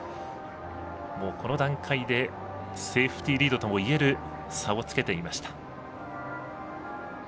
この段階でセーフティーリードともいえる差をつけていました。